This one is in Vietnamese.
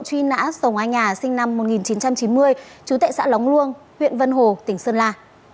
truy nã sồng anh nhà sinh năm một nghìn chín trăm chín mươi chú tệ xã lóng luông huyện vân hồ tỉnh sơn la